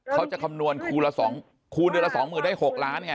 เขาจะคำนวณคูณละ๒หมื่นได้๖ล้านไง